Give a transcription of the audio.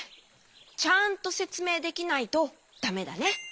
ちゃんとせつめいできないとだめだね。